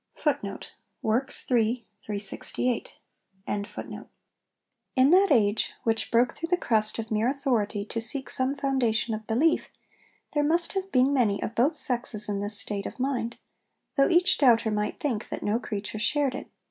' In that age, which broke through the crust of mere authority to seek some 'foundation of belief, 'there must have been many of both sexes in this state of mind; though each doubter might think that 'no creature' shared it.